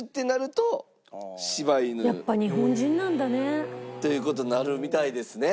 やっぱ日本人なんだね。という事になるみたいですね。